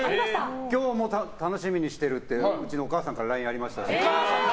今日も楽しみにしてるってうちのお母さんからＬＩＮＥがありましたし。